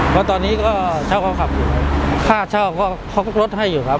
เพราะตอนนี้ก็เช่าก็ขับอยู่ค่าเช่าก็เขาก็ลดให้อยู่ครับ